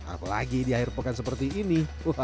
apalagi di akhir pekan seperti ini